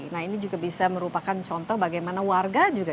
nah ini juga bisa merupakan contoh bagaimana warga juga